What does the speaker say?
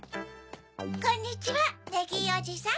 こんにちはネギーおじさん。